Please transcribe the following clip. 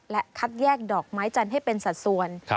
และคัดแยกดอกไม้จันทร์ให้เป็นสัดส่วน